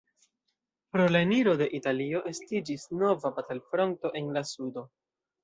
Pro la eniro de Italio estiĝis nova batalfronto en la sudo.